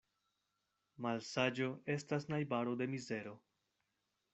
Malsaĝo estas najbaro de mizero.